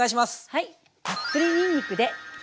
はい。